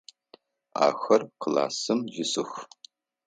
Ахэр классым исых.